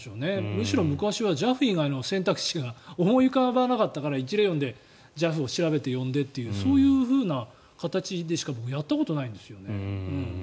むしろ昔はＪＡＦ以外の選択肢が思い浮かばなかったから１０４でＪＡＦを調べて呼んでとそういうふうにしかやったことないんですよね。